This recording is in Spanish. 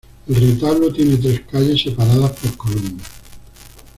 El retablo tiene tres calles separadas por columnas.